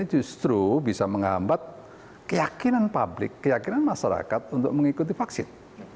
justru bisa menghambat keyakinan publik keyakinan masyarakat untuk mengikuti vaksin